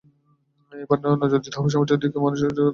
এবার নজর দিতে হবে সমাজের দিকে এবং মানুষ তৈরির ক্ষেত্রগুলোর দিকে।